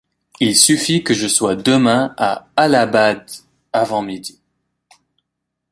Il suffit que je sois demain à Allahabad avant midi.